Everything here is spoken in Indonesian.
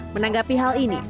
menanggapi hal ini